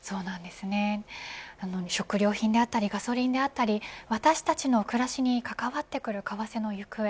食料品であったりガソリンであったり私たちの暮らしに関わってくる為替の行方